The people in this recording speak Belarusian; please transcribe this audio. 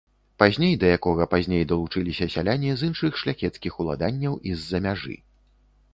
Пазней да якога пазней далучыліся сяляне з іншых шляхецкіх уладанняў і з-за мяжы.